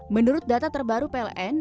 menurut data terbaru pln